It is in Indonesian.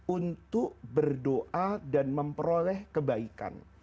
untuk berdoa dan memperoleh kebaikan